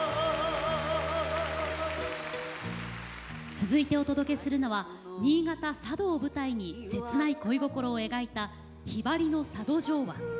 続いてお届けするのは新潟・佐渡を舞台に切ない恋心を描いた「ひばりの佐渡情話」。